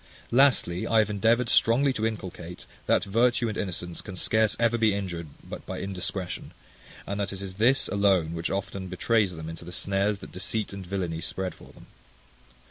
Lastly, I have endeavoured strongly to inculcate, that virtue and innocence can scarce ever be injured but by indiscretion; and that it is this alone which often betrays them into the snares that deceit and villainy spread for them.